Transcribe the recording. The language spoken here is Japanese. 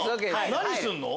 何すんの？